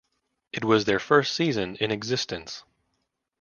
It was their first season in existence.